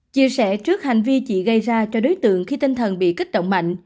chị sẽ trước hành vi chị gây ra cho đối tượng khi tinh thần bị kích động mạnh